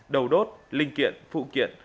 đầu đốt linh kiện phụ kiện